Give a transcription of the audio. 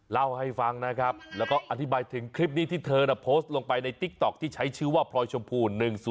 เล่าให้ฟังนะครับแล้วก็อธิบายถึงคลิปนี้ที่เธอโพสต์ลงไปในติ๊กต๊อกที่ใช้ชื่อว่าพลอยชมพู๑๐